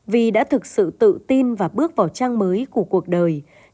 vi đã thực sự tự tin và bước vào trang mới của cuộc đời